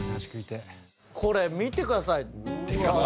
これ見てください。